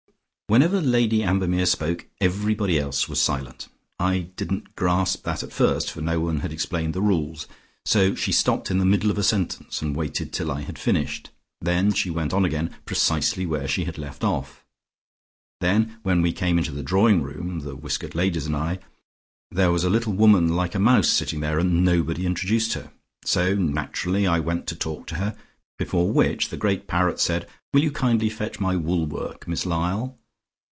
"Whenever Lady Ambermere spoke, everybody else was silent. I didn't grasp that at first, for no one had explained the rules. So she stopped in the middle of a sentence and waited till I had finished. Then she went on again, precisely where she had left off. Then when we came into the drawing room, the whiskered ladies and I, there a little woman like a mouse sitting there, and nobody introduced her. So naturally I went to talk to her, before which the great parrot said, 'Will you kindly fetch my wool work, Miss Lyall?'